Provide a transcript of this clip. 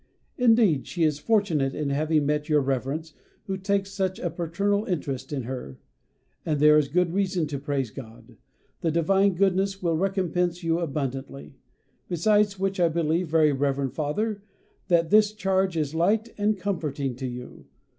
Indeed she is fortunate in having met your Reverence, who takes such a paternal interest in her, and there is good reason to praise God. The divine Goodness will recompense you abundantly, besides which I believe, very Rev. Father, that this charge is light and comforting to you.